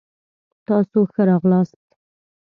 تاسو ښه راغلاست.